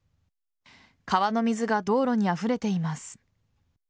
川の水が道路にあふれています。